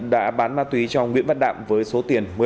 đã bán ma túy cho nguyễn văn đạm với số tiền